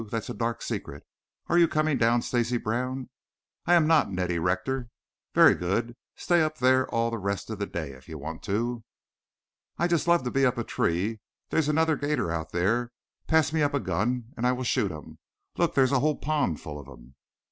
That's a dark secret. Are you coming down, Stacy Brown?" "I am not, Neddie Rector." "Very good. Stay there all the rest of the day if you want to." "I just love to be up a tree. There's another 'gator out there. Pass me up a gun and I will shoot him. Look, there's a whole pond full of them."